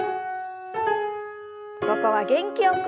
ここは元気よく。